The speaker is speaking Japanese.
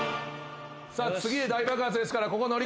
次で大爆発ですからここ乗り越えましょう。